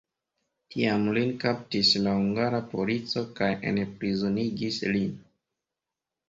Tiam lin kaptis la hungara polico kaj enprizonigis lin.